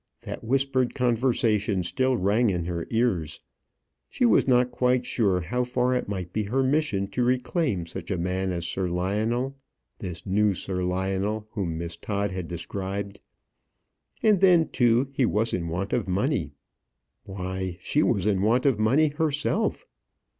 That whispered conversation still rang in her ears. She was not quite sure how far it might be her mission to reclaim such a man as Sir Lionel this new Sir Lionel whom Miss Todd had described. And then, too, he was in want of money. Why, she was in want of money herself!